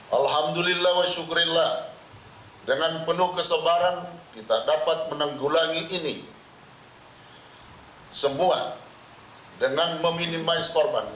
alhamdulillah wa syukurillah dengan penuh kesebaran kita dapat menenggulangi ini semua dengan meminimai korban